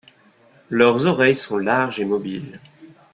Leurs oreilles sont larges et mobiles.